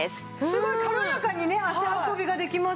すごい軽やかにね足運びができますよね。